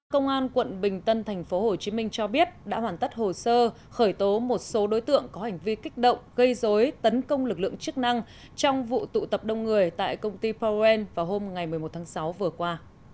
công an quận bình tân tp hcm cho biết đã hoàn tất hồ sơ khởi tố một số đối tượng có hành vi kích động gây dối tấn công lực lượng chức năng trong vụ tụ tập đông người tại công ty powell vào hôm ngày một mươi một tháng sáu vừa qua